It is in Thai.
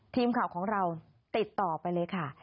ทีมข่าวของเราติดต่อไปเลยค่ะ